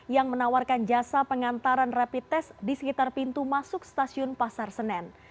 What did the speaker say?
yang menawarkan jasa pengantaran rapid test di sekitar pintu masuk stasiun pasar senen